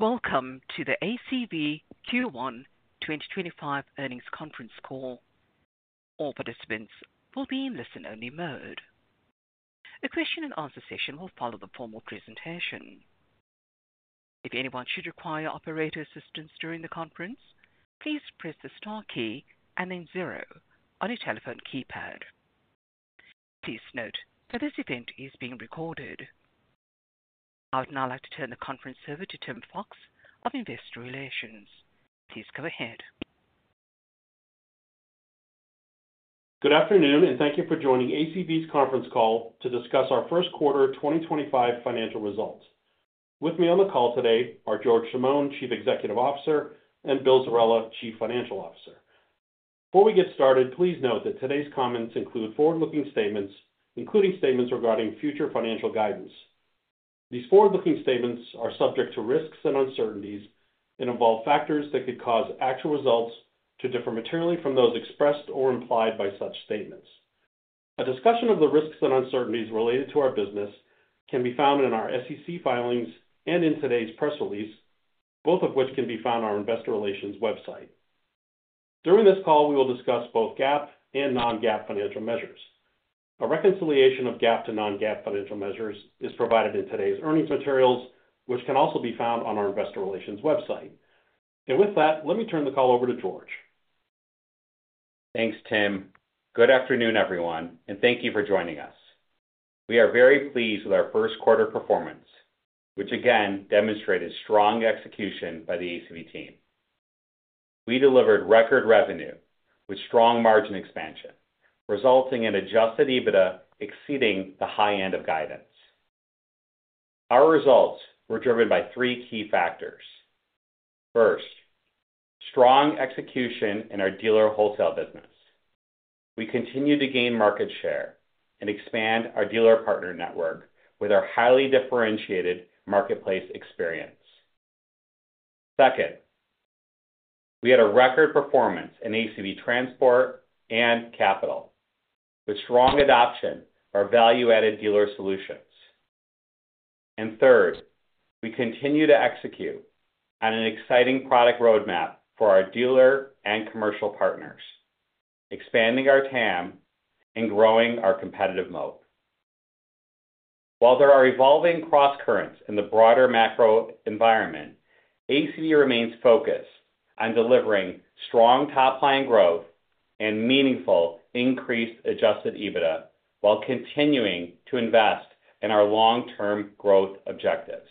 Welcome to the ACV Q1 2025 earnings conference call. All participants will be in listen-only mode. The question-and-answer session will follow the formal presentation. If anyone should require operator assistance during the conference, please press the star key and then zero on your telephone keypad. Please note that this event is being recorded. I would now like to turn the conference over to Tim Fox of Investor Relations. Please go ahead. Good afternoon, and thank you for joining ACV's conference call to discuss our first quarter 2025 financial results. With me on the call today are George Chamoun, Chief Executive Officer, and Bill Zerella, Chief Financial Officer. Before we get started, please note that today's comments include forward-looking statements, including statements regarding future financial guidance. These forward-looking statements are subject to risks and uncertainties and involve factors that could cause actual results to differ materially from those expressed or implied by such statements. A discussion of the risks and uncertainties related to our business can be found in our SEC filings and in today's press release, both of which can be found on our Investor Relations website. During this call, we will discuss both GAAP and non-GAAP financial measures. A reconciliation of GAAP to non-GAAP financial measures is provided in today's earnings materials, which can also be found on our Investor Relations website. With that, let me turn the call over to George. Thanks, Tim. Good afternoon, everyone, and thank you for joining us. We are very pleased with our first quarter performance, which again demonstrated strong execution by the ACV team. We delivered record revenue with strong margin expansion, resulting in Adjusted EBITDA exceeding the high end of guidance. Our results were driven by three key factors. First, strong execution in our dealer wholesale business. We continue to gain market share and expand our dealer partner network with our highly differentiated marketplace experience. Second, we had a record performance in ACV Transport and Capital with strong adoption of our value-added dealer solutions. Third, we continue to execute on an exciting product roadmap for our dealer and commercial partners, expanding our TAM and growing our competitive moat. While there are evolving cross-currents in the broader macro environment, ACV remains focused on delivering strong top-line growth and meaningful increased Adjusted EBITDA while continuing to invest in our long-term growth objectives.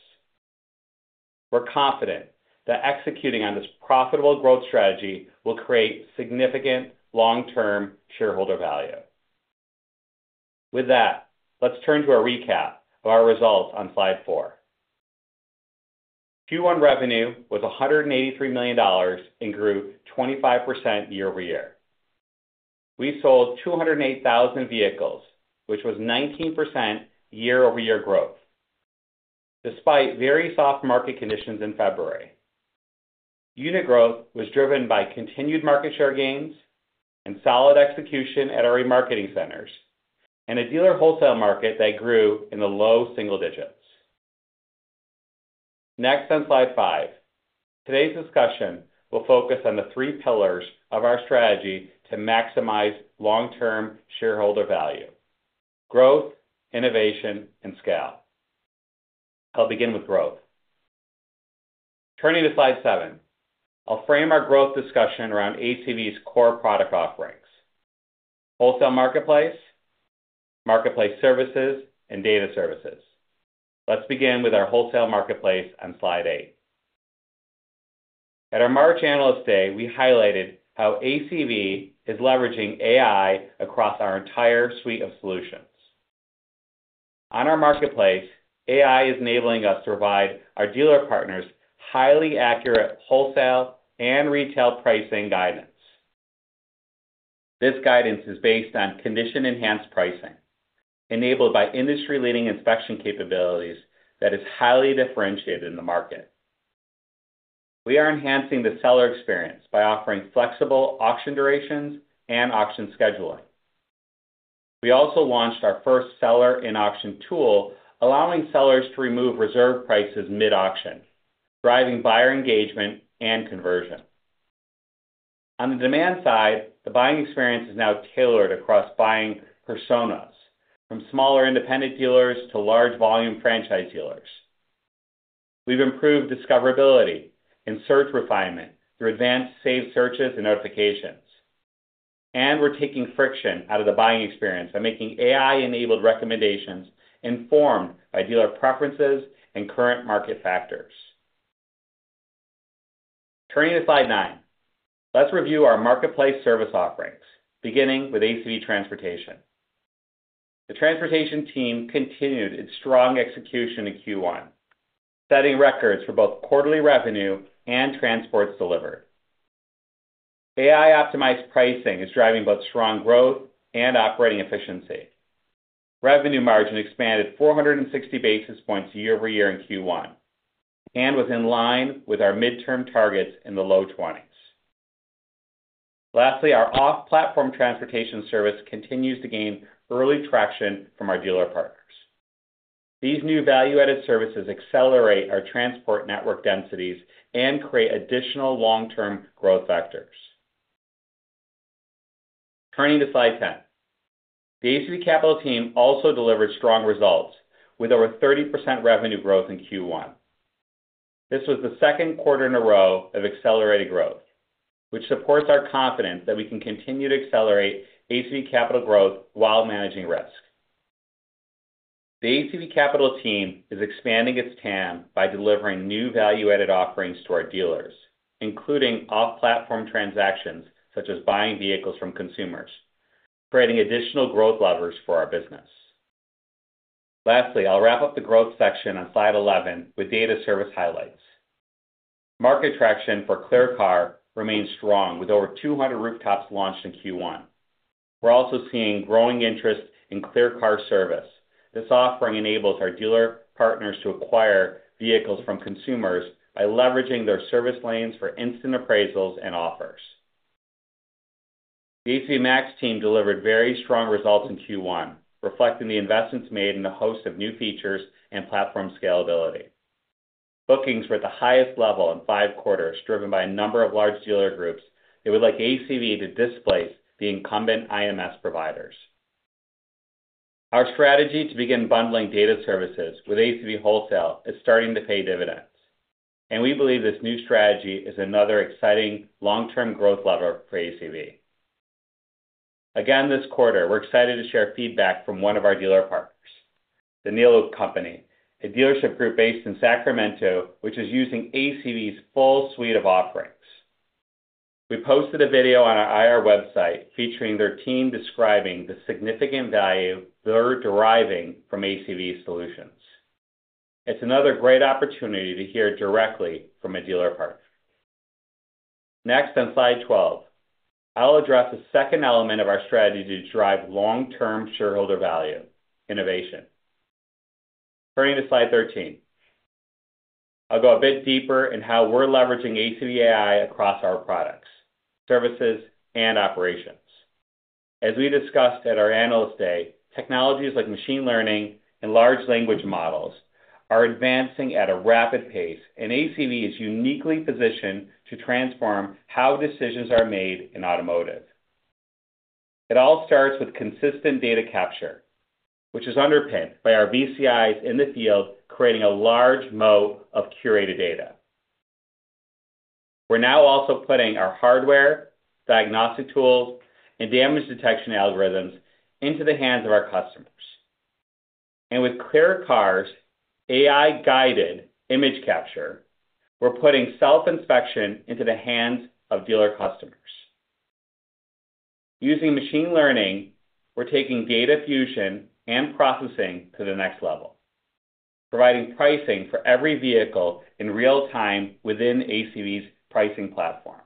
We're confident that executing on this profitable growth strategy will create significant long-term shareholder value. With that, let's turn to a recap of our results on slide four. Q1 revenue was $183 million and grew 25% year-over-year. We sold 208,000 vehicles, which was 19% year-over-year growth, despite very soft market conditions in February. Unit growth was driven by continued market share gains and solid execution at our remarketing centers and a dealer wholesale market that grew in the low single digits. Next, on slide five, today's discussion will focus on the three pillars of our strategy to maximize long-term shareholder value: growth, innovation, and scale. I'll begin with growth. Turning to slide seven, I'll frame our growth discussion around ACV's core product offerings: wholesale marketplace, marketplace services, and data services. Let's begin with our wholesale marketplace on slide eight. At our March analyst day, we highlighted how ACV is leveraging AI across our entire suite of solutions. On our marketplace, AI is enabling us to provide our dealer partners highly accurate wholesale and retail pricing guidance. This guidance is based on condition-enhanced pricing, enabled by industry-leading inspection capabilities that are highly differentiated in the market. We are enhancing the seller experience by offering flexible auction durations and auction scheduling. We also launched our first seller-in-auction tool, allowing sellers to remove reserve prices mid-auction, driving buyer engagement and conversion. On the demand side, the buying experience is now tailored across buying personas, from smaller independent dealers to large-volume franchise dealers. have improved discoverability and search refinement through advanced saved searches and notifications. We are taking friction out of the buying experience by making AI-enabled recommendations informed by dealer preferences and current market factors. Turning to slide nine, let us review our marketplace service offerings, beginning with ACV Transport. The transportation team continued its strong execution in Q1, setting records for both quarterly revenue and transports delivered. AI-optimized pricing is driving both strong growth and operating efficiency. Revenue margin expanded 460 basis points year-over-year in Q1 and was in line with our midterm targets in the low 20s. Lastly, our off-platform transportation service continues to gain early traction from our dealer partners. These new value-added services accelerate our transport network densities and create additional long-term growth factors. Turning to slide 10, the ACV Capital team also delivered strong results with over 30% revenue growth in Q1. This was the second quarter in a row of accelerated growth, which supports our confidence that we can continue to accelerate ACV Capital growth while managing risk. The ACV Capital team is expanding its TAM by delivering new value-added offerings to our dealers, including off-platform transactions such as buying vehicles from consumers, creating additional growth levers for our business. Lastly, I'll wrap up the growth section on slide 11 with data service highlights. Market traction for ClearCar remains strong with over 200 rooftops launched in Q1. We're also seeing growing interest in ClearCar service. This offering enables our dealer partners to acquire vehicles from consumers by leveraging their service lanes for instant appraisals and offers. The ACV MAX team delivered very strong results in Q1, reflecting the investments made in the host of new features and platform scalability. Bookings were at the highest level in five quarters, driven by a number of large dealer groups that would like ACV to displace the incumbent IMS providers. Our strategy to begin bundling data services with ACV Wholesale is starting to pay dividends, and we believe this new strategy is another exciting long-term growth lever for ACV. Again, this quarter, we're excited to share feedback from one of our dealer partners, The Niello Company, a dealership group based in Sacramento, which is using ACV's full suite of offerings. We posted a video on our IR website featuring their team describing the significant value they're deriving from ACV's solutions. It's another great opportunity to hear directly from a dealer partner. Next, on slide 12, I'll address the second element of our strategy to drive long-term shareholder value: innovation. Turning to slide 13, I'll go a bit deeper in how we're leveraging ACV AI across our products, services, and operations. As we discussed at our analyst day, technologies like machine learning and large language models are advancing at a rapid pace, and ACV is uniquely positioned to transform how decisions are made in automotive. It all starts with consistent data capture, which is underpinned by our VCIs in the field creating a large moat of curated data. We're now also putting our hardware, diagnostic tools, and damage detection algorithms into the hands of our customers. With ClearCar's AI-guided image capture, we're putting self-inspection into the hands of dealer customers. Using machine learning, we're taking data fusion and processing to the next level, providing pricing for every vehicle in real time within ACV's pricing platform.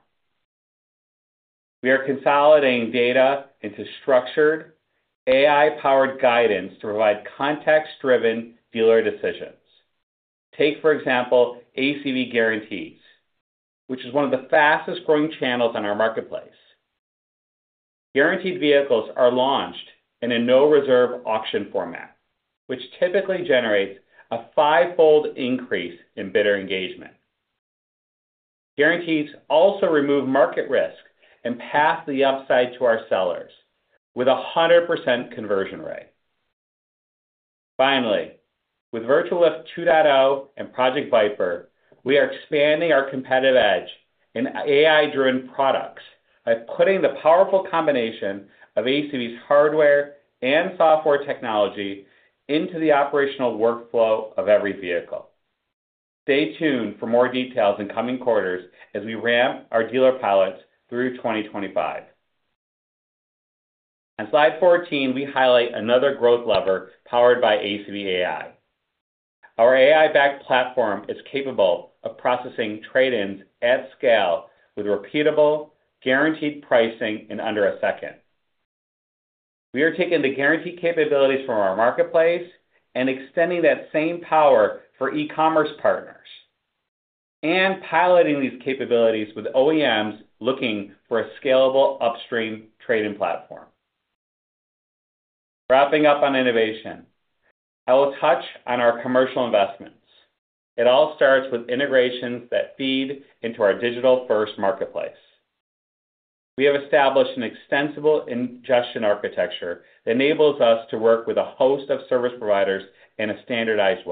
We are consolidating data into structured AI-powered guidance to provide context-driven dealer decisions. Take, for example, ACV Guarantees, which is one of the fastest-growing channels on our marketplace. Guaranteed vehicles are launched in a no-reserve auction format, which typically generates a fivefold increase in bidder engagement. Guarantees also remove market risk and pass the upside to our sellers with a 100% conversion rate. Finally, with Virtual Lift 2.0 and Project Viper, we are expanding our competitive edge in AI-driven products by putting the powerful combination of ACV's hardware and software technology into the operational workflow of every vehicle. Stay tuned for more details in coming quarters as we ramp our dealer pilots through 2025. On slide 14, we highlight another growth lever powered by ACV AI. Our AI-backed platform is capable of processing trade-ins at scale with repeatable, guaranteed pricing in under a second. We are taking the guaranteed capabilities from our marketplace and extending that same power for e-commerce partners and piloting these capabilities with OEMs looking for a scalable upstream trade-in platform. Wrapping up on innovation, I will touch on our commercial investments. It all starts with integrations that feed into our digital-first marketplace. We have established an extensible ingestion architecture that enables us to work with a host of service providers in a standardized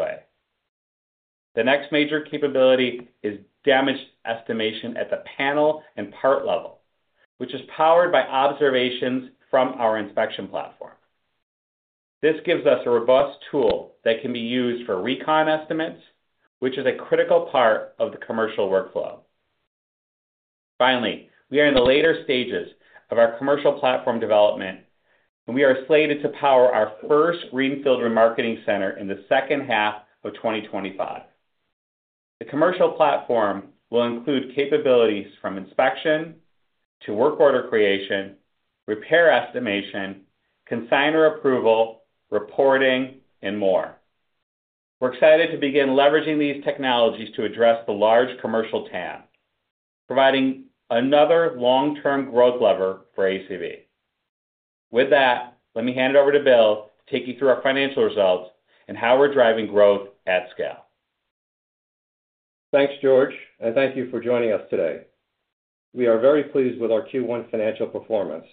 way. The next major capability is damage estimation at the panel and part level, which is powered by observations from our inspection platform. This gives us a robust tool that can be used for recon estimates, which is a critical part of the commercial workflow. Finally, we are in the later stages of our commercial platform development, and we are slated to power our first Greenfield Remarketing Center in the second half of 2025. The commercial platform will include capabilities from inspection to work order creation, repair estimation, consignor approval, reporting, and more. We're excited to begin leveraging these technologies to address the large commercial TAM, providing another long-term growth lever for ACV. With that, let me hand it over to Bill to take you through our financial results and how we're driving growth at scale. Thanks, George, and thank you for joining us today. We are very pleased with our Q1 financial performance.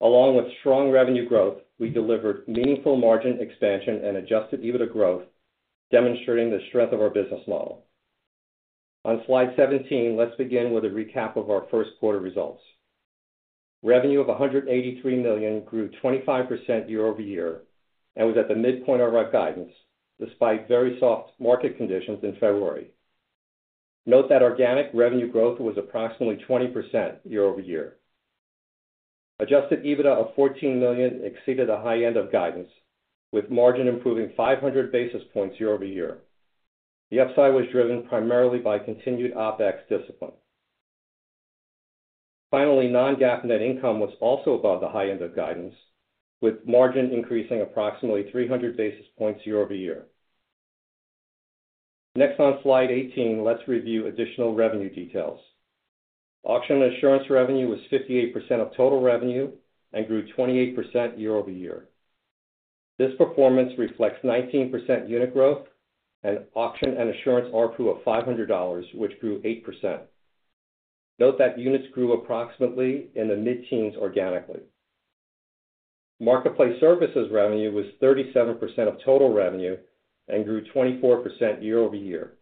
Along with strong revenue growth, we delivered meaningful margin expansion and Adjusted EBITDA growth, demonstrating the strength of our business model. On slide 17, let's begin with a recap of our first quarter results. Revenue of $183 million grew 25% year-over-year and was at the midpoint of our guidance despite very soft market conditions in February. Note that organic revenue growth was approximately 20% year-over-year. Adjusted EBITDA of $14 million exceeded the high end of guidance, with margin improving 500 basis points year-over-year. The upside was driven primarily by continued OPEX discipline. Finally, non-GAAP net income was also above the high end of guidance, with margin increasing approximately 300 basis points year-over-year. Next, on slide 18, let's review additional revenue details. Auction and insurance revenue was 58% of total revenue and grew 28% year-over-year. This performance reflects 19% unit growth and auction and insurance RPU of $500, which grew 8%. Note that units grew approximately in the mid-teens organically. Marketplace services revenue was 37% of total revenue and grew 24% year-over-year,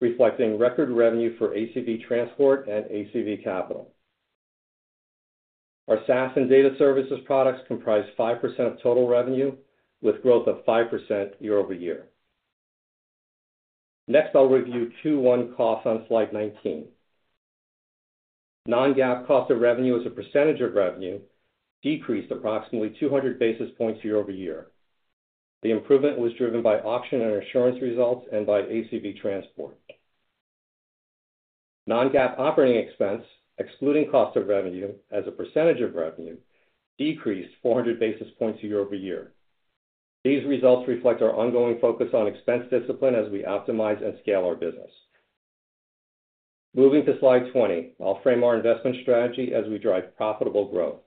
reflecting record revenue for ACV Transport and ACV Capital. Our SaaS and data services products comprise 5% of total revenue, with growth of 5% year-over-year. Next, I'll review Q1 costs on slide 19. Non-GAAP cost of revenue as a percentage of revenue decreased approximately 200 basis points year-over-year. The improvement was driven by auction and insurance results and by ACV Transport. Non-GAAP operating expense, excluding cost of revenue as a percentage of revenue, decreased 400 basis points year-over-year. These results reflect our ongoing focus on expense discipline as we optimize and scale our business. Moving to slide 20, I'll frame our investment strategy as we drive profitable growth.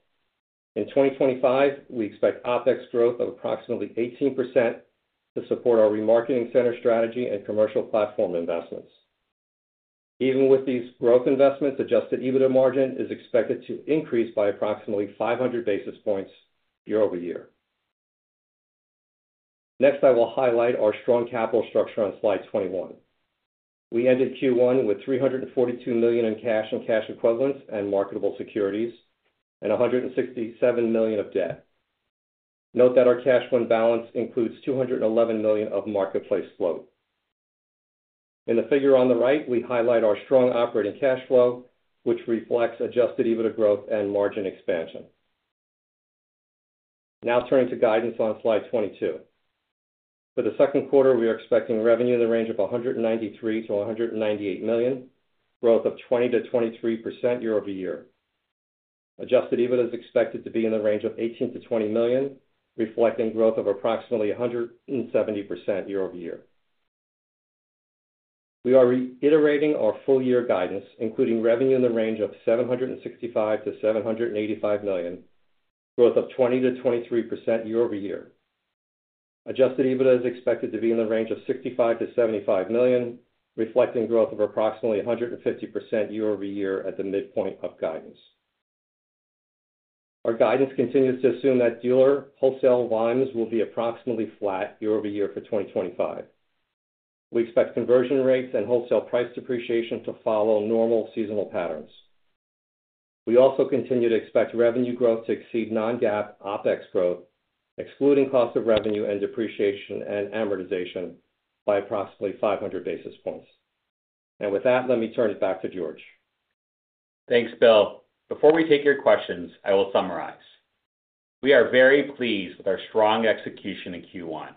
In 2025, we expect OPEX growth of approximately 18% to support our remarketing center strategy and commercial platform investments. Even with these growth investments, Adjusted EBITDA margin is expected to increase by approximately 500 basis points year-over-year. Next, I will highlight our strong capital structure on slide 21. We ended Q1 with $342 million in cash and cash equivalents and marketable securities and $167 million of debt. Note that our cash fund balance includes $211 million of marketplace float. In the figure on the right, we highlight our strong operating cash flow, which reflects Adjusted EBITDA growth and margin expansion. Now turning to guidance on slide 22. For the second quarter, we are expecting revenue in the range of $193 million-$198 million, growth of 20%-23% year-over-year. Adjusted EBITDA is expected to be in the range of $18 million-$20 million, reflecting growth of approximately 170% year-over-year. We are reiterating our full-year guidance, including revenue in the range of $765 million-$785 million, growth of 20%-23% year-over-year. Adjusted EBITDA is expected to be in the range of $65 million-$75 million, reflecting growth of approximately 150% year-over-year at the midpoint of guidance. Our guidance continues to assume that dealer wholesale volumes will be approximately flat year-over-year for 2025. We expect conversion rates and wholesale price depreciation to follow normal seasonal patterns. We also continue to expect revenue growth to exceed non-GAAP OPEX growth, excluding cost of revenue and depreciation and amortization by approximately 500 basis points. With that, let me turn it back to George. Thanks, Bill. Before we take your questions, I will summarize. We are very pleased with our strong execution in Q1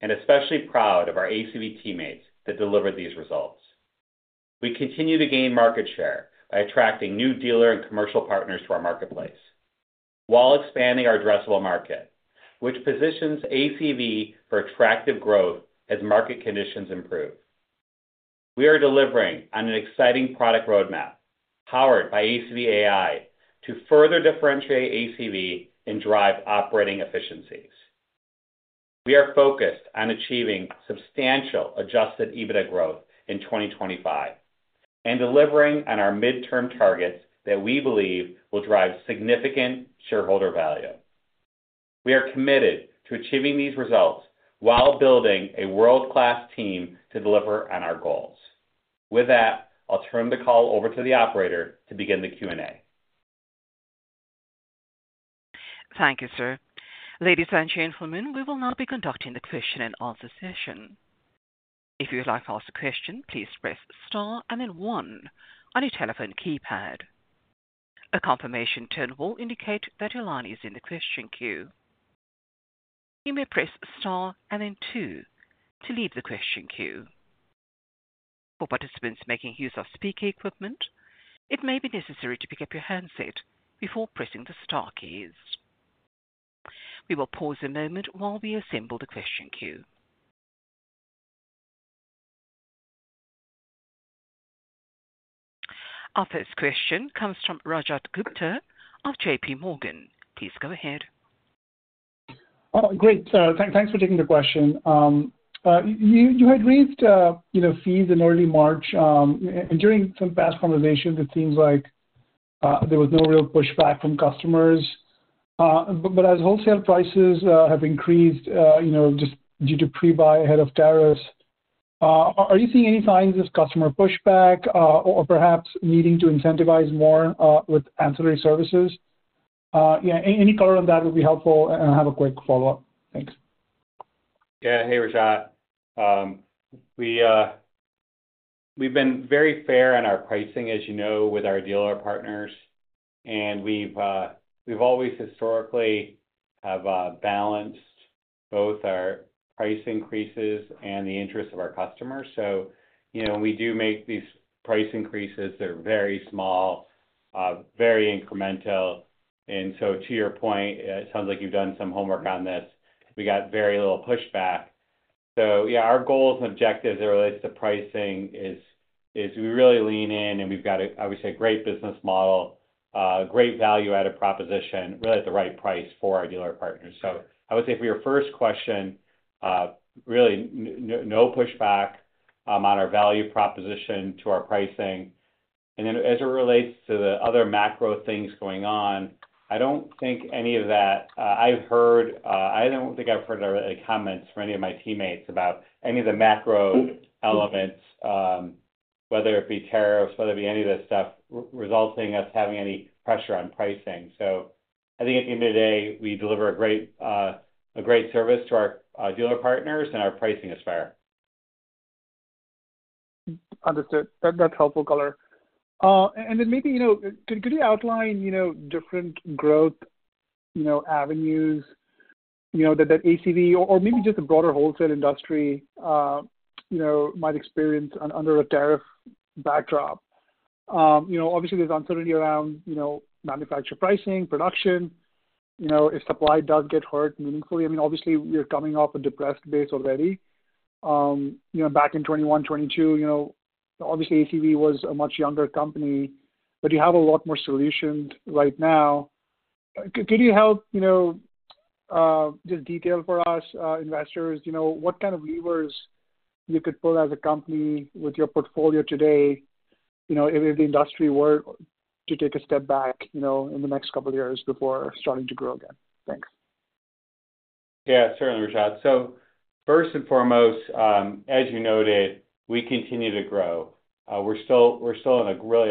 and especially proud of our ACV teammates that delivered these results. We continue to gain market share by attracting new dealer and commercial partners to our marketplace while expanding our addressable market, which positions ACV for attractive growth as market conditions improve. We are delivering on an exciting product roadmap powered by ACV AI to further differentiate ACV and drive operating efficiencies. We are focused on achieving substantial Adjusted EBITDA growth in 2025 and delivering on our midterm targets that we believe will drive significant shareholder value. We are committed to achieving these results while building a world-class team to deliver on our goals. With that, I'll turn the call over to the operator to begin the Q&A. Thank you, sir. Ladies and gentlemen, we will now be conducting the question-and-answer session. If you would like to ask a question, please press star and then one on your telephone keypad. A confirmation tone will indicate that your line is in the question queue. You may press star and then two to leave the question queue. For participants making use of speaker equipment, it may be necessary to pick up your handset before pressing the star keys. We will pause a moment while we assemble the question queue. Our first question comes from Rajat Gupta of J.P. Morgan. Please go ahead. Great. Thanks for taking the question. You had raised fees in early March, and during some past conversations, it seems like there was no real pushback from customers. As wholesale prices have increased just due to pre-buy ahead of tariffs, are you seeing any signs of customer pushback or perhaps needing to incentivize more with ancillary services? Any color on that would be helpful, and I have a quick follow-up. Thanks. Yeah. Hey, Rajat. We've been very fair in our pricing, as you know, with our dealer partners. We've always historically balanced both our price increases and the interest of our customers. We do make these price increases that are very small, very incremental. To your point, it sounds like you've done some homework on this. We got very little pushback. Yeah, our goals and objectives as it relates to pricing is we really lean in, and we've got obviously a great business model, great value-added proposition, really at the right price for our dealer partners. I would say for your first question, really no pushback on our value proposition to our pricing. As it relates to the other macro things going on, I don't think any of that, I don't think I've heard comments from any of my teammates about any of the macro elements, whether it be tariffs, whether it be any of this stuff, resulting in us having any pressure on pricing. I think at the end of the day, we deliver a great service to our dealer partners, and our pricing is fair. Understood. That's helpful, Color. And then maybe could you outline different growth avenues that ACV or maybe just the broader wholesale industry might experience under a tariff backdrop? Obviously, there's uncertainty around manufacturer pricing, production. If supply does get hurt meaningfully, I mean, obviously, we're coming off a depressed base already. Back in 2021, 2022, obviously, ACV was a much younger company, but you have a lot more solutions right now. Could you help just detail for us, investors, what kind of levers you could pull as a company with your portfolio today if the industry were to take a step back in the next couple of years before starting to grow again? Thanks. Yeah, certainly, Rajat. First and foremost, as you noted, we continue to grow. We're still in a really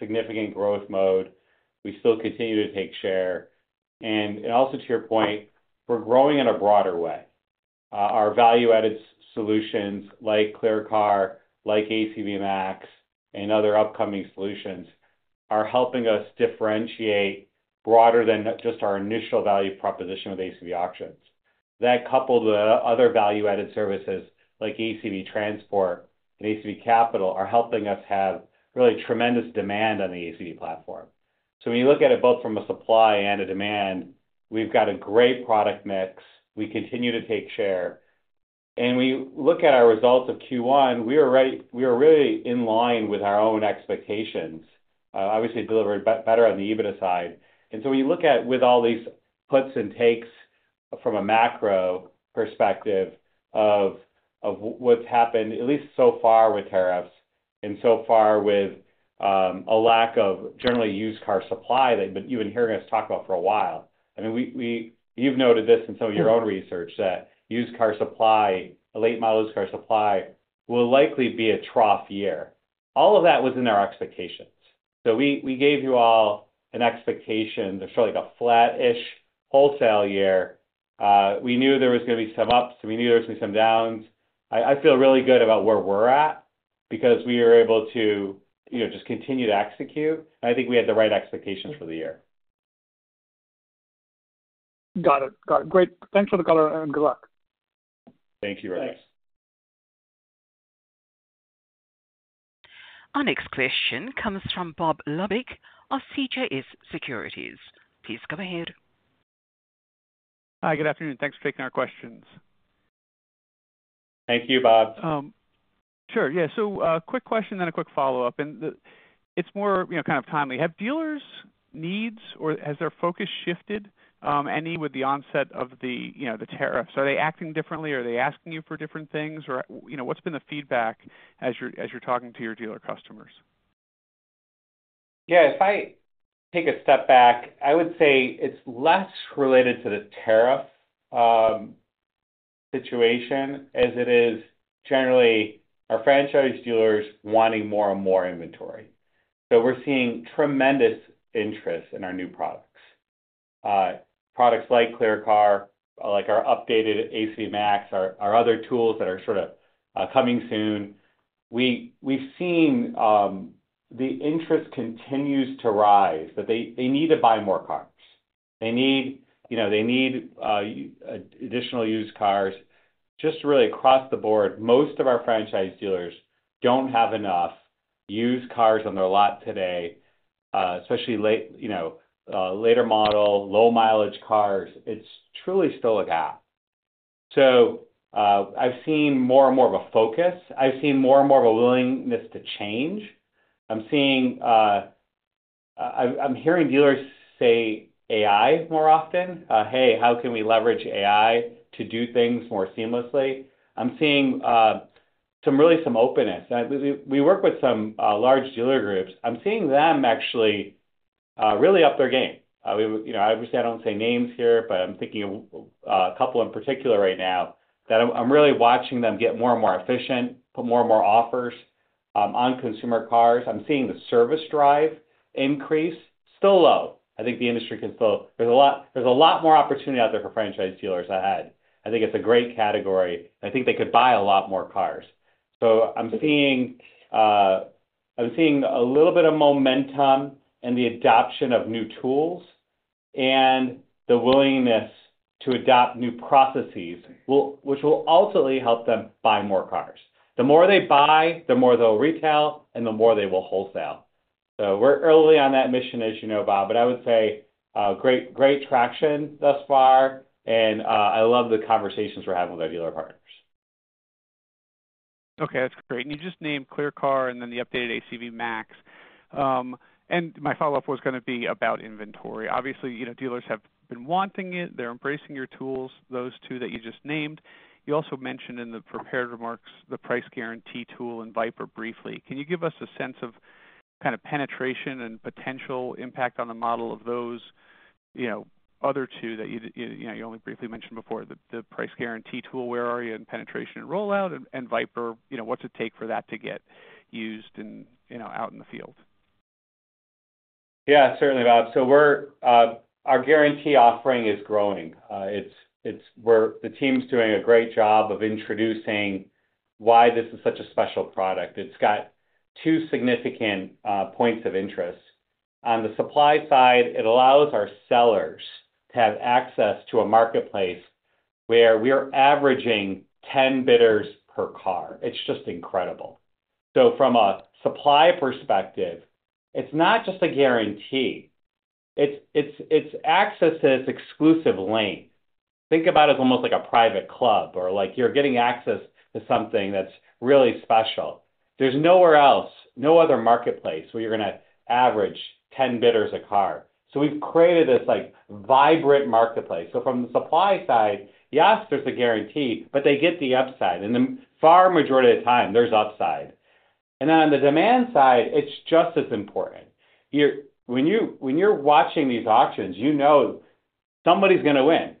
significant growth mode. We still continue to take share. Also to your point, we're growing in a broader way. Our value-added solutions like ClearCar, like ACV MAX, and other upcoming solutions are helping us differentiate broader than just our initial value proposition with ACV Auctions. That, coupled with other value-added services like ACV Transport and ACV Capital, are helping us have really tremendous demand on the ACV platform. When you look at it both from a supply and a demand, we've got a great product mix. We continue to take share. When you look at our results of Q1, we were really in line with our own expectations, obviously delivered better on the EBITDA side. When you look at with all these puts and takes from a macro perspective of what's happened, at least so far with tariffs and so far with a lack of generally used car supply that you've been hearing us talk about for a while. I mean, you've noted this in some of your own research that used car supply, late mile used car supply will likely be a trough year. All of that was in our expectations. We gave you all an expectation to show like a flat-ish wholesale year. We knew there was going to be some ups. We knew there was going to be some downs. I feel really good about where we're at because we were able to just continue to execute. I think we had the right expectations for the year. Got it. Got it. Great. Thanks for the color and good luck. Thank you very much. Thanks. Our next question comes from Bob Labick of CJS Securities. Please come ahead. Hi, good afternoon. Thanks for taking our questions. Thank you, Bob. Sure. Yeah. Quick question and then a quick follow-up. It's more kind of timely. Have dealers' needs or has their focus shifted any with the onset of the tariffs? Are they acting differently? Are they asking you for different things? What's been the feedback as you're talking to your dealer customers? Yeah. If I take a step back, I would say it's less related to the tariff situation as it is generally our franchise dealers wanting more and more inventory. We're seeing tremendous interest in our new products. Products like ClearCar, like our updated ACV MAX, our other tools that are sort of coming soon. We've seen the interest continues to rise, that they need to buy more cars. They need additional used cars. Just really across the board, most of our franchise dealers don't have enough used cars on their lot today, especially later model, low-mileage cars. It's truly still a gap. I've seen more and more of a focus. I've seen more and more of a willingness to change. I'm hearing dealers say AI more often. Hey, how can we leverage AI to do things more seamlessly? I'm seeing really some openness. We work with some large dealer groups. I'm seeing them actually really up their game. Obviously, I don't say names here, but I'm thinking of a couple in particular right now that I'm really watching them get more and more efficient, put more and more offers on consumer cars. I'm seeing the service drive increase. Still low. I think the industry can still there's a lot more opportunity out there for franchise dealers ahead. I think it's a great category. I think they could buy a lot more cars. I'm seeing a little bit of momentum in the adoption of new tools and the willingness to adopt new processes, which will ultimately help them buy more cars. The more they buy, the more they'll retail, and the more they will wholesale. We're early on that mission, as you know, Bob, but I would say great traction thus far. I love the conversations we're having with our dealer partners. Okay. That's great. You just named ClearCar and then the updated ACV MAX. My follow-up was going to be about inventory. Obviously, dealers have been wanting it. They're embracing your tools, those two that you just named. You also mentioned in the prepared remarks the price guarantee tool and Viper briefly. Can you give us a sense of kind of penetration and potential impact on the model of those other two that you only briefly mentioned before, the price guarantee tool, where are you in penetration and rollout, and Viper, what's it take for that to get used and out in the field? Yeah, certainly, Bob. So our guarantee offering is growing. The team's doing a great job of introducing why this is such a special product. It's got two significant points of interest. On the supply side, it allows our sellers to have access to a marketplace where we're averaging 10 bidders per car. It's just incredible. From a supply perspective, it's not just a guarantee. It's access to this exclusive lane. Think about it as almost like a private club or like you're getting access to something that's really special. There's nowhere else, no other marketplace where you're going to average 10 bidders a car. We have created this vibrant marketplace. From the supply side, yes, there's a guarantee, but they get the upside. The far majority of the time, there's upside. On the demand side, it's just as important. When you're watching these auctions, you know somebody's going to win.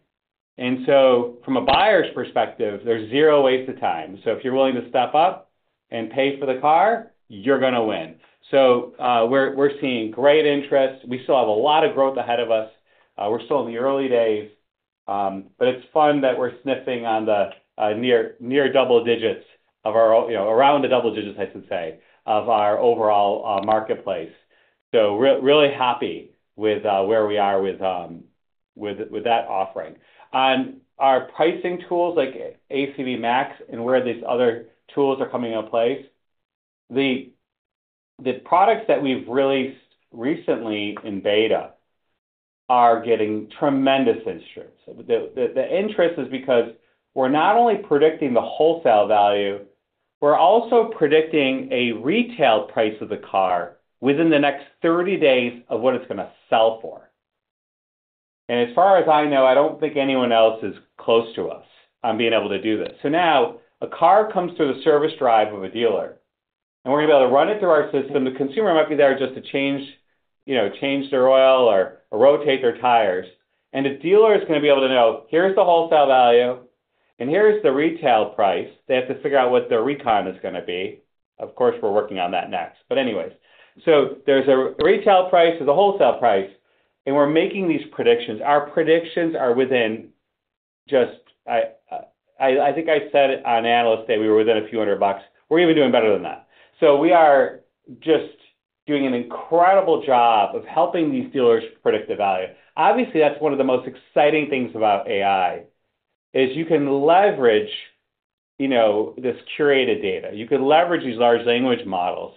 From a buyer's perspective, there's zero waste of time. If you're willing to step up and pay for the car, you're going to win. We're seeing great interest. We still have a lot of growth ahead of us. We're still in the early days, but it's fun that we're sniffing on the near double digits of our, around the double digits, I should say, of our overall marketplace. Really happy with where we are with that offering. On our pricing tools like ACV MAX and where these other tools are coming into place, the products that we've released recently in beta are getting tremendous interest. The interest is because we're not only predicting the wholesale value, we're also predicting a retail price of the car within the next 30 days of what it's going to sell for. As far as I know, I don't think anyone else is close to us on being able to do this. Now a car comes through the service drive of a dealer, and we're going to be able to run it through our system. The consumer might be there just to change their oil or rotate their tires. The dealer is going to be able to know, "Here's the wholesale value, and here's the retail price." They have to figure out what their recon is going to be. Of course, we're working on that next. Anyways, so there's a retail price to the wholesale price, and we're making these predictions. Our predictions are within just, I think I said it on Analyst Day, we were within a few hundred bucks. We're even doing better than that. We are just doing an incredible job of helping these dealers predict the value. Obviously, that's one of the most exciting things about AI is you can leverage this curated data. You can leverage these large language models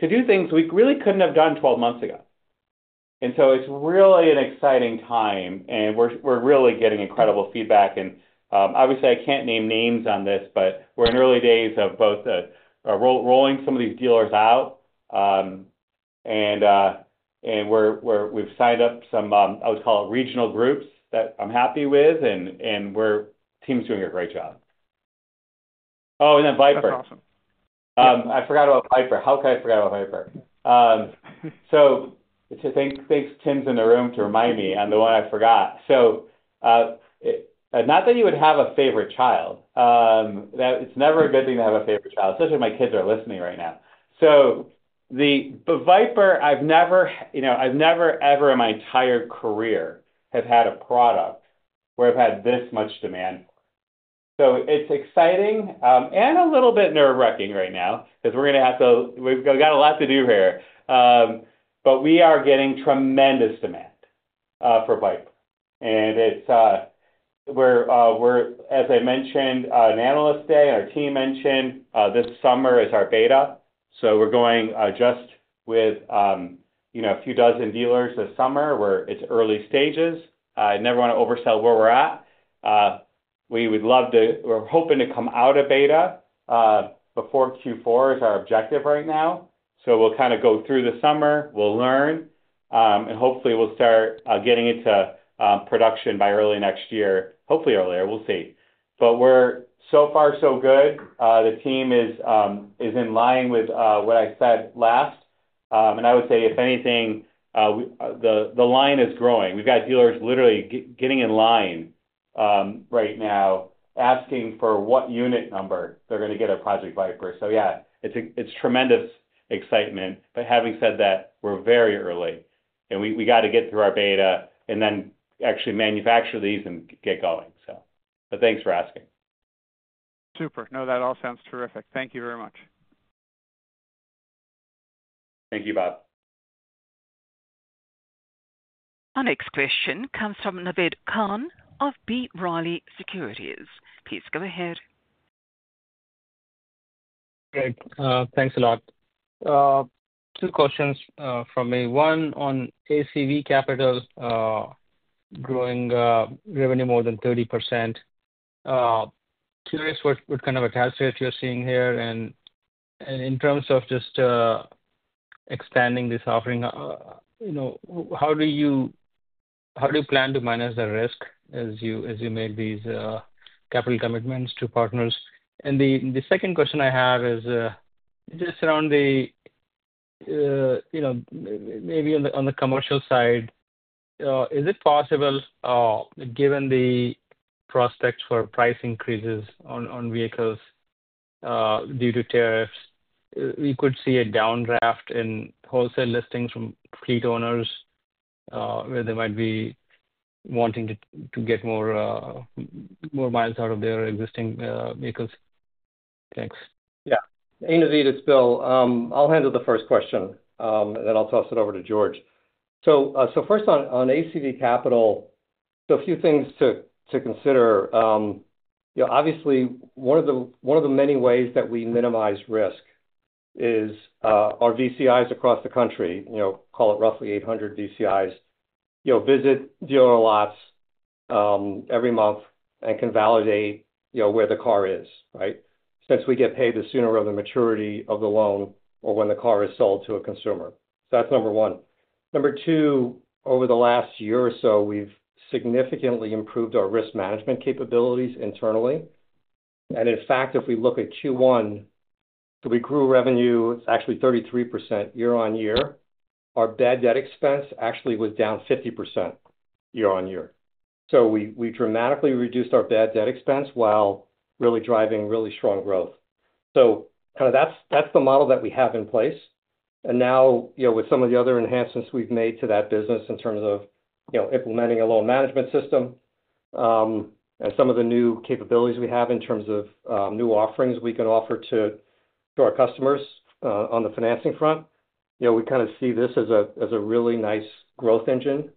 to do things we really couldn't have done 12 months ago. It is really an exciting time, and we're really getting incredible feedback. Obviously, I can't name names on this, but we're in early days of both rolling some of these dealers out, and we've signed up some, I would call it, regional groups that I'm happy with, and team's doing a great job. Oh, and then Viper. That's awesome. I forgot about Viper. How could I forget about Viper? Thanks, Tim's in the room to remind me on the one I forgot. Not that you would have a favorite child. It's never a good thing to have a favorite child, especially if my kids are listening right now. The Viper, I've never, ever in my entire career have had a product where I've had this much demand for. It's exciting and a little bit nerve-wracking right now because we've got a lot to do here. We are getting tremendous demand for Viper. As I mentioned on Analyst Day, our team mentioned this summer is our beta. We are going just with a few dozen dealers this summer. It is early stages. I never want to oversell where we are at. We would love to, we are hoping to come out of beta before Q4 is our objective right now. We will kind of go through the summer. We will learn, and hopefully, we will start getting into production by early next year, hopefully earlier. We will see. So far so good. The team is in line with what I said last. I would say, if anything, the line is growing. We have got dealers literally getting in line right now asking for what unit number they are going to get at Project Viper. It is tremendous excitement. But having said that, we're very early, and we got to get through our beta and then actually manufacture these and get going, so. But thanks for asking. Super. No, that all sounds terrific. Thank you very much. Thank you, Bob. Our next question comes from Naved Khan of B. Riley Securities. Please go ahead. Okay. Thanks a lot. Two questions from me. One on ACV Capital growing revenue more than 30%. Curious what kind of a cascade you're seeing here. And in terms of just expanding this offering, how do you plan to manage the risk as you make these capital commitments to partners? The second question I have is just around the maybe on the commercial side, is it possible, given the prospects for price increases on vehicles due to tariffs, we could see a downdraft in wholesale listings from fleet owners where they might be wanting to get more miles out of their existing vehicles? Thanks. Yeah. Hey, Naved. It's Bill. I'll handle the first question, and then I'll toss it over to George. First, on ACV Capital, a few things to consider. Obviously, one of the many ways that we minimize risk is our VCIs across the country, call it roughly 800 VCIs, visit dealer lots every month and can validate where the car is, right, since we get paid the sooner of the maturity of the loan or when the car is sold to a consumer. That's number one. Number two, over the last year or so, we've significantly improved our risk management capabilities internally. In fact, if we look at Q1, we grew revenue. It's actually 33% year-on-year. Our bad debt expense actually was down 50% year-on-year. We dramatically reduced our bad debt expense while really driving really strong growth. That's the model that we have in place. Now, with some of the other enhancements we've made to that business in terms of implementing a loan management system and some of the new capabilities we have in terms of new offerings we can offer to our customers on the financing front, we kind of see this as a really nice growth engine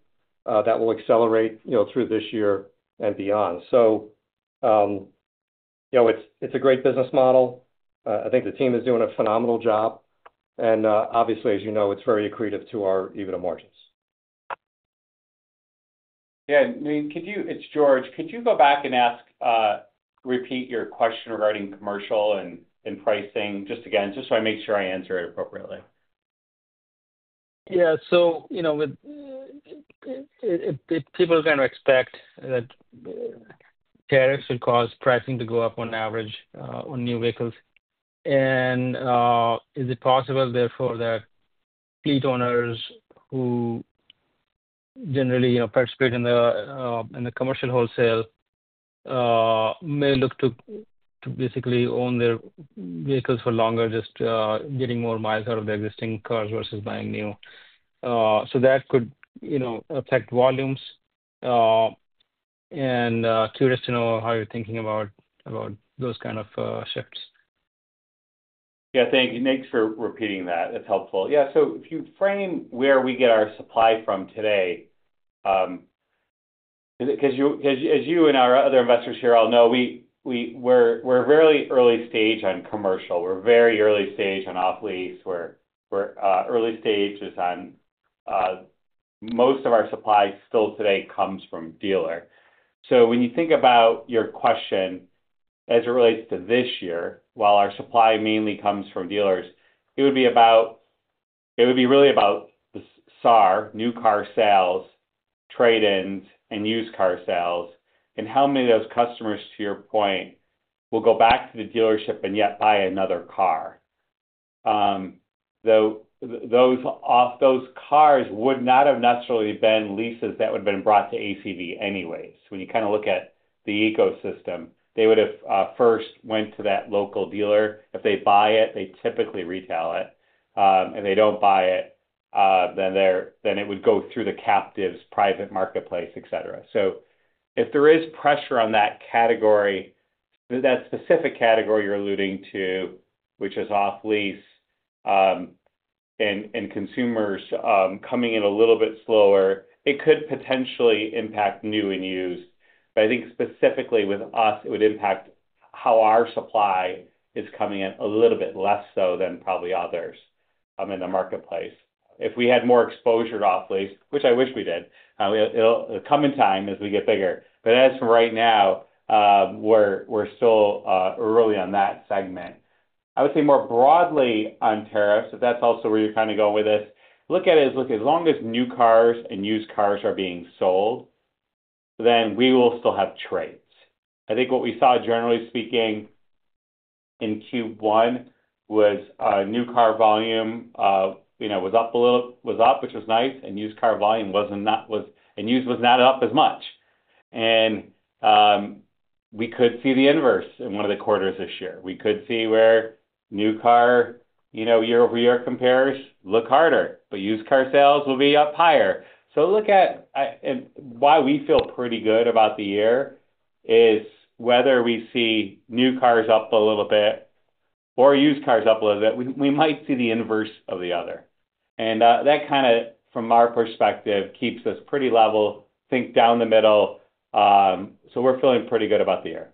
that will accelerate through this year and beyond. It's a great business model. I think the team is doing a phenomenal job. Obviously, as you know, it is very accretive to our EBITDA margins. Yeah. I mean, it is George. Could you go back and repeat your question regarding commercial and pricing just again, just so I make sure I answer it appropriately? Yeah. People kind of expect that tariffs would cause pricing to go up on average on new vehicles. Is it possible, therefore, that fleet owners who generally participate in the commercial wholesale may look to basically own their vehicles for longer, just getting more miles out of their existing cars versus buying new? That could affect volumes. Curious to know how you are thinking about those kind of shifts. Yeah. Thanks. Thanks for repeating that. That is helpful. If you frame where we get our supply from today, because you and our other investors here all know, we are very early stage on commercial. We're very early stage on off-lease. We're early stages on most of our supply still today comes from dealer. When you think about your question as it relates to this year, while our supply mainly comes from dealers, it would be really about SAR, new car sales, trade-ins, and used car sales, and how many of those customers, to your point, will go back to the dealership and yet buy another car. Those cars would not have necessarily been leases that would have been brought to ACV anyways. When you kind of look at the ecosystem, they would have first went to that local dealer. If they buy it, they typically retail it. If they don't buy it, then it would go through the Captives, private marketplace, etc. If there is pressure on that category, that specific category you're alluding to, which is off-lease and consumers coming in a little bit slower, it could potentially impact new and used. I think specifically with us, it would impact how our supply is coming in a little bit less so than probably others in the marketplace. If we had more exposure to off-lease, which I wish we did, it'll come in time as we get bigger. As for right now, we're still early on that segment. I would say more broadly on tariffs, if that's also where you're kind of going with this, look at it as long as new cars and used cars are being sold, then we will still have trades. I think what we saw, generally speaking, in Q1 was new car volume was up a little, was up, which was nice, and used car volume was not up as much. We could see the inverse in one of the quarters this year. We could see where new car year-over-year compares look harder, but used car sales will be up higher. Look at why we feel pretty good about the year is whether we see new cars up a little bit or used cars up a little bit, we might see the inverse of the other. That kind of, from our perspective, keeps us pretty level, think down the middle. We're feeling pretty good about the year.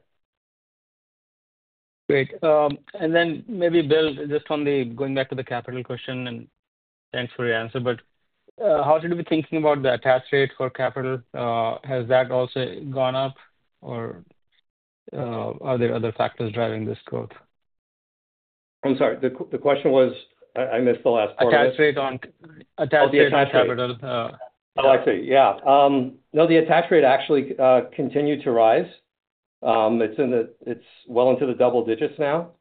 Great. And then maybe, Bill, just going back to the capital question, and thanks for your answer, but how did we think about the attach rate for capital? Has that also gone up, or are there other factors driving this growth? I'm sorry. The question was, I missed the last part. Attach rate on capital. Oh, I see. Yeah. No, the attach rate actually continued to rise. It's well into the double digits now.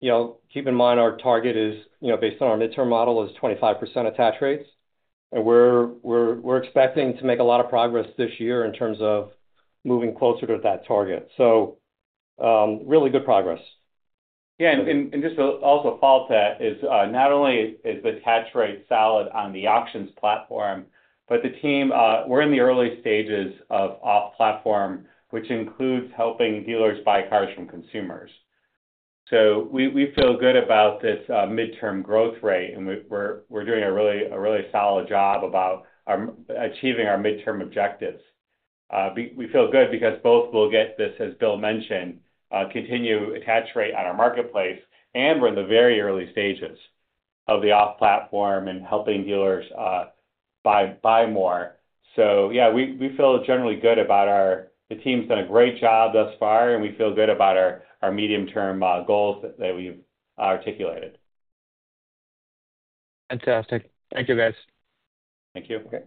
Keep in mind our target is based on our midterm model is 25% attach rates. We're expecting to make a lot of progress this year in terms of moving closer to that target. Really good progress. Yeah. Just to also follow that is not only is the attach rate solid on the auctions platform, but the team, we're in the early stages of off-platform, which includes helping dealers buy cars from consumers. We feel good about this midterm growth rate, and we're doing a really solid job about achieving our midterm objectives. We feel good because both will get this, as Bill mentioned, continue attach rate on our marketplace, and we're in the very early stages of the off-platform and helping dealers buy more. Yeah, we feel generally good about our, the team's done a great job thus far, and we feel good about our medium-term goals that we've articulated. Fantastic. Thank you, guys. Thank you. Okay.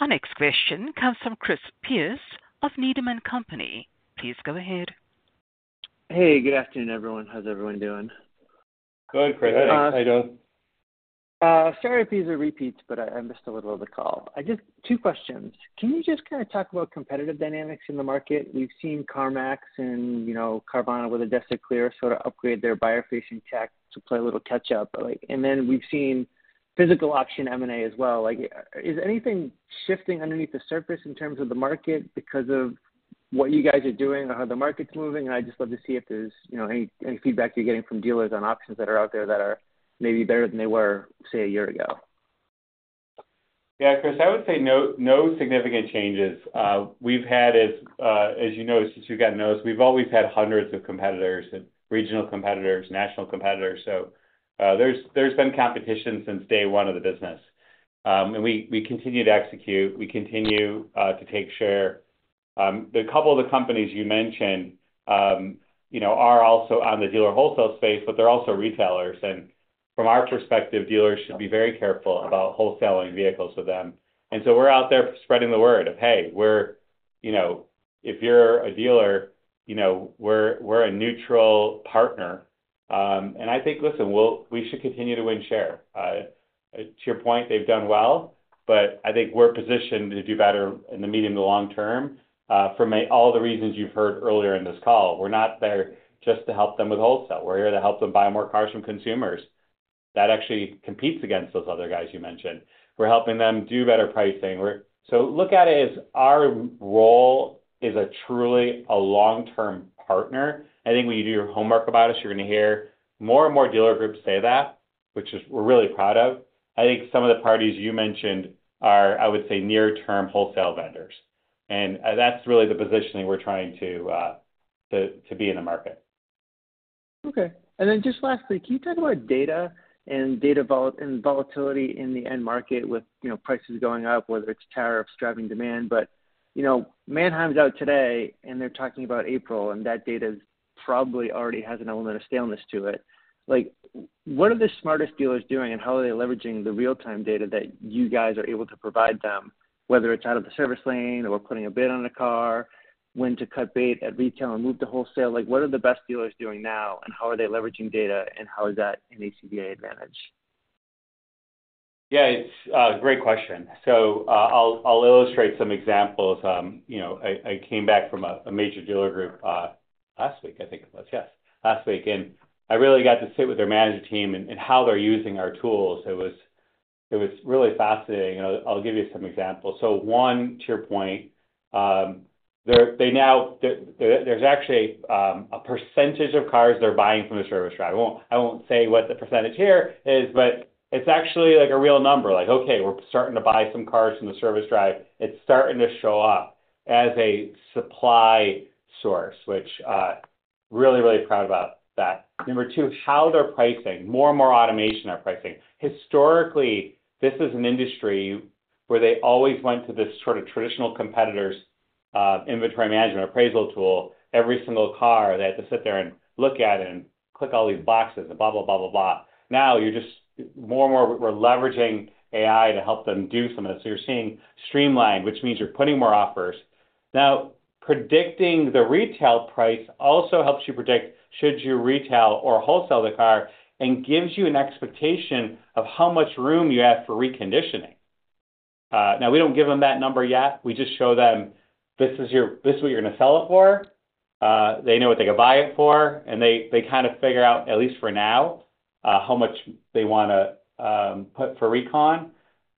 Our next question comes from Chris Pierce of Needham & Company. Please go ahead. Hey, good afternoon, everyone. How's everyone doing? Good, great. Hey, how are you doing? Sorry if he's a repeat, but I missed a little of the call. Two questions. Can you just kind of talk about competitive dynamics in the market? We've seen CarMax and Carvana with ADESA Clear sort of upgrade their buyer-facing tech to play a little catch-up. Then we've seen physical auction M&A as well. Is anything shifting underneath the surface in terms of the market because of what you guys are doing or how the market's moving? I'd just love to see if there's any feedback you're getting from dealers on options that are out there that are maybe better than they were, say, a year ago. Yeah, Chris, I would say no significant changes. We've had, as you know, since we've gotten noticed, we've always had hundreds of competitors and regional competitors, national competitors. There has been competition since day one of the business. We continue to execute. We continue to take share. A couple of the companies you mentioned are also in the dealer wholesale space, but they are also retailers. From our perspective, dealers should be very careful about wholesaling vehicles with them. We are out there spreading the word of, "Hey, if you are a dealer, we are a neutral partner." I think, listen, we should continue to win share. To your point, they have done well, but I think we are positioned to do better in the medium to long term for all the reasons you have heard earlier in this call. We are not there just to help them with wholesale. We are here to help them buy more cars from consumers. That actually competes against those other guys you mentioned. We are helping them do better pricing. Look at it as our role is truly a long-term partner. I think when you do your homework about us, you're going to hear more and more dealer groups say that, which we're really proud of. I think some of the parties you mentioned are, I would say, near-term wholesale vendors. That is really the positioning we're trying to be in the market. Okay. Lastly, can you talk about data and data volatility in the end market with prices going up, whether it's tariffs driving demand? Manheim's out today, and they're talking about April, and that data probably already has an element of staleness to it. What are the smartest dealers doing, and how are they leveraging the real-time data that you guys are able to provide them, whether it's out of the service lane or putting a bid on a car, when to cut bait at retail and move to wholesale? What are the best dealers doing now, and how are they leveraging data, and how is that an ACV advantage? Yeah. It's a great question. I'll illustrate some examples. I came back from a major dealer group last week, I think it was, yes, last week. I really got to sit with their manager team and how they're using our tools. It was really fascinating. I'll give you some examples. One, to your point, there's actually a percentage of cars they're buying from the service drive. I won't say what the percentage here is, but it's actually a real number. Okay, we're starting to buy some cars from the service drive. It's starting to show up as a supply source, which I'm really, really proud about that. Number two, how they're pricing. More and more automation are pricing. Historically, this is an industry where they always went to this sort of traditional competitor's inventory management appraisal tool. Every single car, they had to sit there and look at and click all these boxes and blah, blah, blah, blah, blah. Now, more and more, we're leveraging AI to help them do some of this. You're seeing streamlined, which means you're putting more offers. Now, predicting the retail price also helps you predict should you retail or wholesale the car and gives you an expectation of how much room you have for reconditioning. We don't give them that number yet. We just show them, "This is what you're going to sell it for." They know what they can buy it for, and they kind of figure out, at least for now, how much they want to put for recon.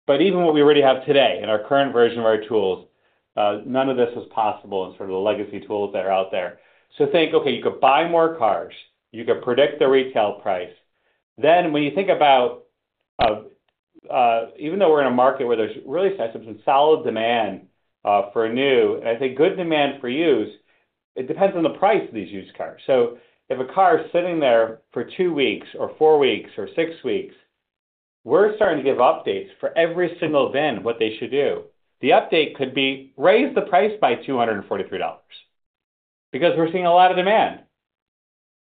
Even what we already have today in our current version of our tools, none of this was possible in sort of the legacy tools that are out there. Think, okay, you could buy more cars. You could predict the retail price. When you think about even though we're in a market where there's really some solid demand for new, and I think good demand for used, it depends on the price of these used cars. If a car is sitting there for two weeks or four weeks or six weeks, we're starting to give updates for every single VIN, what they should do. The update could be, "Raise the price by $243 because we're seeing a lot of demand."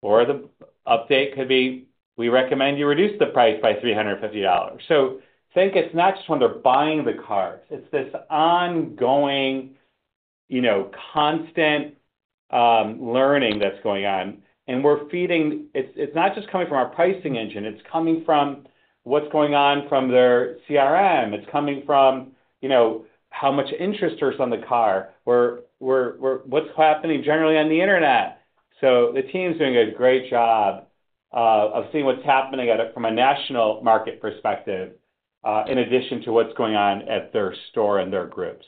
Or the update could be, "We recommend you reduce the price by $350." I think it's not just when they're buying the cars. It's this ongoing, constant learning that's going on. It's not just coming from our pricing engine. It's coming from what's going on from their CRM. It's coming from how much interest is on the car, what's happening generally on the internet. The team's doing a great job of seeing what's happening from a national market perspective in addition to what's going on at their store and their group.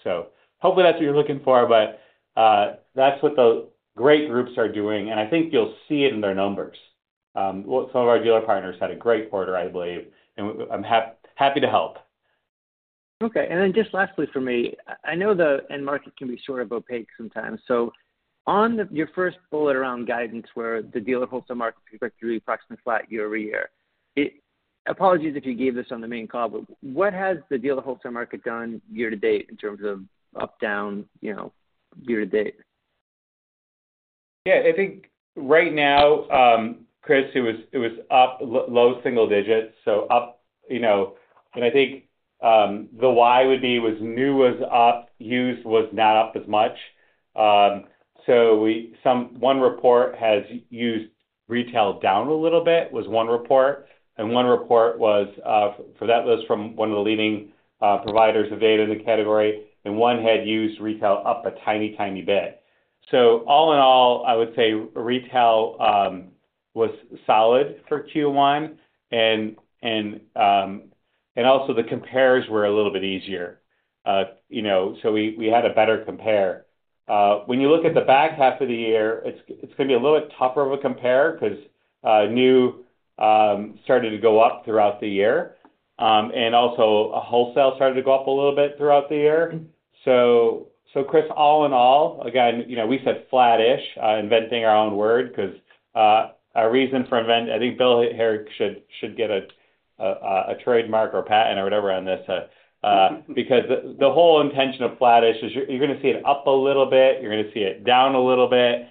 Hopefully, that's what you're looking for, but that's what the great groups are doing. I think you'll see it in their numbers. Some of our dealer partners had a great quarter, I believe, and I'm happy to help. Okay. Lastly for me, I know the end market can be sort of opaque sometimes. On your first bullet around guidance, where the dealer wholesale market is expected to be approximately flat year-over-year, apologies if you gave this on the main call, but what has the dealer wholesale market done year to date in terms of up, down, year to date? Yeah. I think right now, Chris, it was up, low single digits. Up. I think the why would be new was up, used was not up as much. One report has used retail down a little bit, was one report. One report was for that list from one of the leading providers of data in the category. One had used retail up a tiny, tiny bit. All in all, I would say retail was solid for Q1. Also, the compares were a little bit easier. We had a better compare. When you look at the back half of the year, it's going to be a little bit tougher of a compare because new started to go up throughout the year. Also, wholesale started to go up a little bit throughout the year. Chris, all in all, again, we said flattish, inventing our own word because our reason for, I think Bill here should get a trademark or patent or whatever on this because the whole intention of flattish is you're going to see it up a little bit. You're going to see it down a little bit.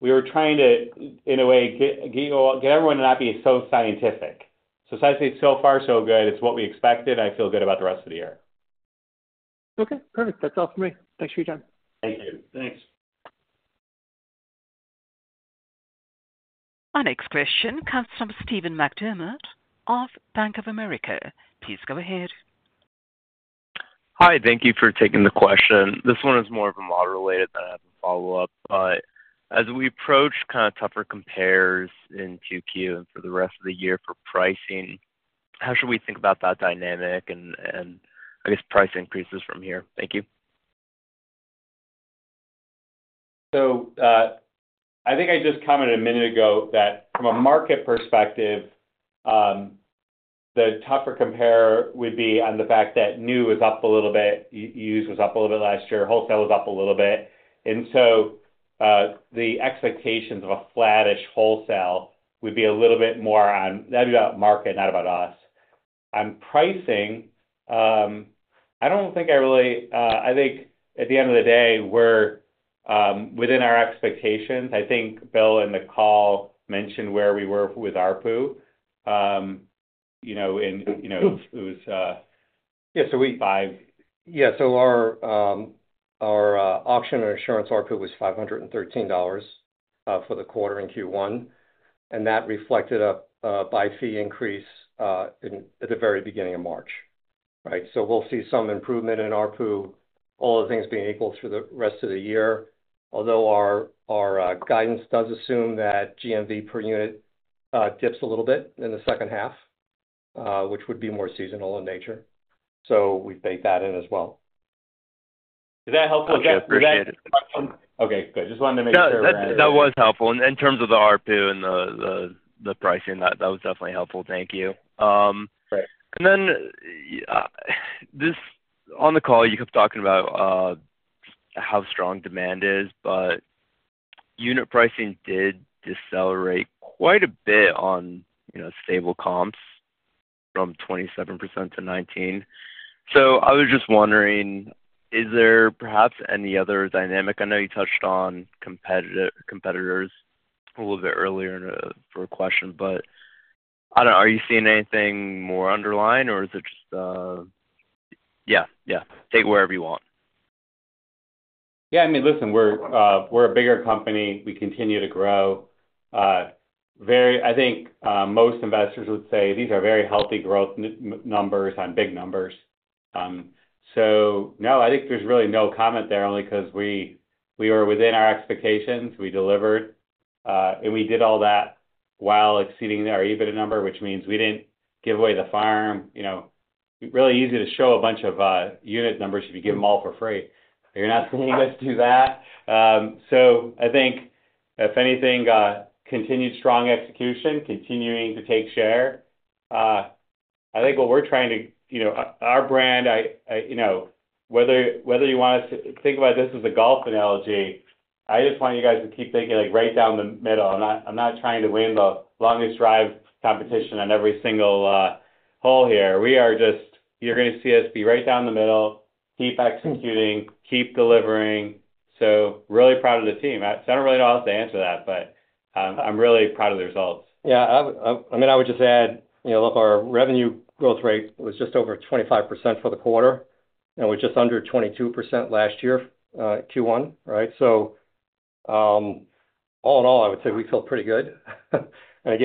We were trying to, in a way, get everyone to not be so scientific. I say so far, so good. It's what we expected. I feel good about the rest of the year. Okay. Perfect. That's all for me. Thanks for your time. Thank you. Thanks. Our next question comes from Steven McDermott of Bank of America. Please go ahead. Hi. Thank you for taking the question. This one is more of a model-related than I have a follow-up. As we approach kind of tougher compares in Q2 and for the rest of the year for pricing, how should we think about that dynamic and, I guess, price increases from here? Thank you. I think I just commented a minute ago that from a market perspective, the tougher compare would be on the fact that new was up a little bit, used was up a little bit last year, wholesale was up a little bit. The expectations of a flattish wholesale would be a little bit more on that'd be about market, not about us. On pricing, I don't think I really, I think at the end of the day, we're within our expectations. I think Bill in the call mentioned where we were with ARPU. And it was, yeah, so we, yeah. So our auction and assurance ARPU was $513 for the quarter in Q1. And that reflected a buy fee increase at the very beginning of March, right? We'll see some improvement in ARPU, all things being equal through the rest of the year. Although our guidance does assume that GMV per unit dips a little bit in the second half, which would be more seasonal in nature. We've baked that in as well. Is that helpful? Was that? Okay. Good. Just wanted to make sure. That was helpful. In terms of the ARPU and the pricing, that was definitely helpful. Thank you. On the call, you kept talking about how strong demand is, but unit pricing did decelerate quite a bit on stable comps from 27% to 19%. I was just wondering, is there perhaps any other dynamic? I know you touched on competitors a little bit earlier for a question, but are you seeing anything more underlying, or is it just yeah, yeah. Take wherever you want. Yeah. I mean, listen, we're a bigger company. We continue to grow. I think most investors would say these are very healthy growth numbers on big numbers. No, I think there's really no comment there, only because we were within our expectations. We delivered, and we did all that while exceeding our EBITDA number, which means we didn't give away the farm. Really easy to show a bunch of unit numbers if you give them all for free. You're not saying you guys do that. I think, if anything, continued strong execution, continuing to take share. I think what we're trying to our brand, whether you want us to think about this as a golf analogy, I just want you guys to keep thinking right down the middle. I'm not trying to win the longest drive competition on every single hole here. We are just you're going to see us be right down the middle, keep executing, keep delivering. Really proud of the team. I don't really know how else to answer that, but I'm really proud of the results. Yeah. I mean, I would just add our revenue growth rate was just over 25% for the quarter, and we're just under 22% last year, Q1, right? All in all, I would say we feel pretty good. As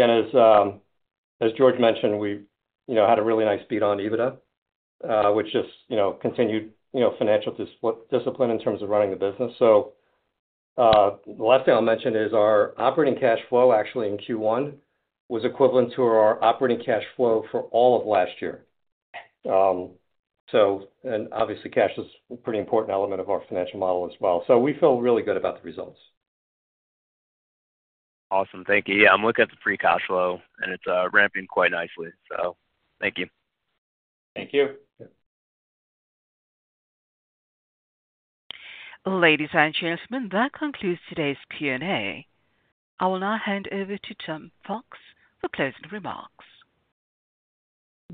George mentioned, we had a really nice beat on EBITDA, which just continued financial discipline in terms of running the business. The last thing I'll mention is our operating cash flow, actually, in Q1 was equivalent to our operating cash flow for all of last year. Obviously, cash is a pretty important element of our financial model as well. We feel really good about the results. Awesome. Thank you. Yeah. I'm looking at the free cash flow, and it's ramping quite nicely. Thank you. Thank you. Ladies and gentlemen, that concludes today's Q&A. I will now hand over to Tim Fox for closing remarks.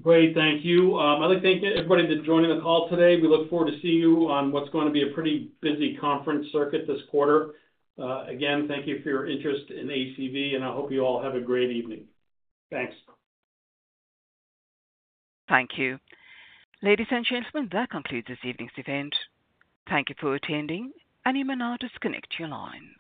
Great. Thank you. I'd like to thank everybody that joined the call today. We look forward to seeing you on what's going to be a pretty busy conference circuit this quarter. Again, thank you for your interest in ACV, and I hope you all have a great evening. Thanks. Thank you. Ladies and gentlemen, that concludes this evening's event. Thank you for attending, and you may now disconnect your line.